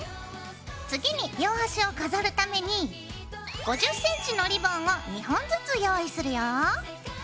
次に両端を飾るために５０ｃｍのリボンを２本ずつ用意するよ。